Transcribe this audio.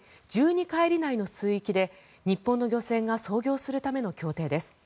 カイリ内の水域で日本の漁船が操業するための協定です。